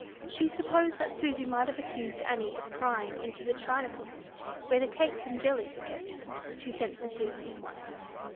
She supposed that Susy must have accused Annie of prying into the china closet, where the cakes and jellies were kept. She sent for Susy at once.